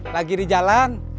lagi di jalan